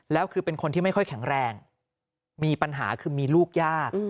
แล้วคือเป็นคนที่ไม่ค่อยแข็งแรงมีปัญหาคือมีลูกยาก